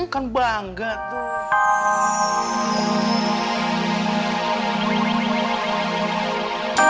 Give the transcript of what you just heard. kan bangga tuh